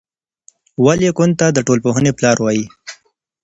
ولي کنت ته د ټولنپوهنې پلار وايي؟